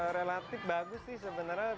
relatif bagus sih sebenarnya